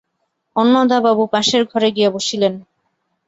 অন্নদাবাবু পাশের ঘরে গিয়া বসিলেন।